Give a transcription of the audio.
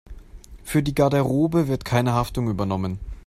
Für die Garderobe wird keine Haftung übernommen.